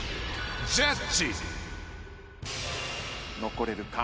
残れるか